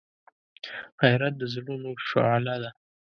غیرت د زړونو شعله ده